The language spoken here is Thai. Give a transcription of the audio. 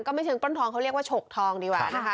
ไม่เชิงปล้นทองเขาเรียกว่าฉกทองดีกว่านะคะ